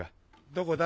どこだ？